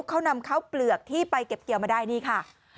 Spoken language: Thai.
เขานำข้าวเปลือกที่ไปเก็บเกี่ยวมาได้นี่ค่ะ